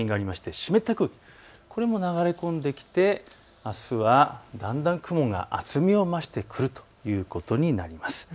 湿った空気、これも流れ込んできてあすはだんだん雲が厚みを増してくるということになります。